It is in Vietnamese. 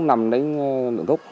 bốn năm đến